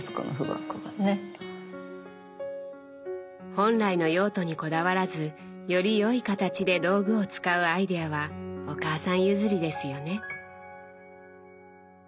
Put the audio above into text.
本来の用途にこだわらずよりよい形で道具を使うアイデアはお母さん譲りですよね。